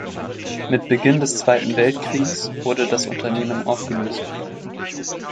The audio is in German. Mit Beginn des Zweiten Weltkriegs wurde das Unternehmen aufgelöst.